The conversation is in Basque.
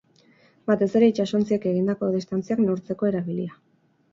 Batez ere itsasontziek egindako distantziak neurtzeko erabilia.